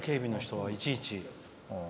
警備の人は、いちいち。